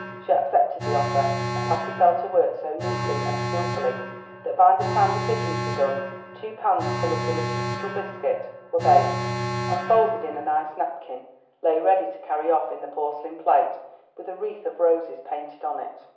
She accepted the offer, and Patty fell to work so neatly and skilfully that, by the time the pigeons were done, two pans full of delicious little biscuit were baked, and, folded in a nice napkin, lay ready to carry off in the porcelain plate with a wreath of roses painted on it.